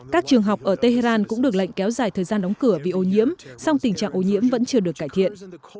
các trường học ở tehran cũng được lệnh kéo dài thời gian đóng cửa vì ô nhiễm song tình trạng ô nhiễm vẫn chưa được cải thiện